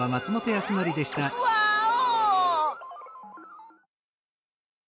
ワーオ！